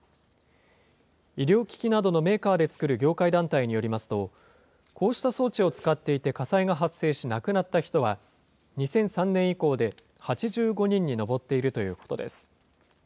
医療機器などのメーカーで作る業界団体によりますと、こうした装置を使っていて火災が発生し、亡くなった人は２００３年以降で８５人に上っているということです。